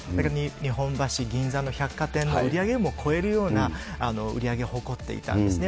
日本橋、銀座の百貨店の売り上げよりも超えるような売り上げを誇っていたんですね。